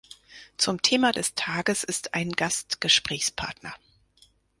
Zum Thema des Tages ist ein Gast Gesprächspartner.